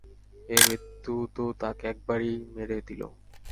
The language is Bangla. এই মৃত্যু তো তাকে একেবারেই মেরে দিলো।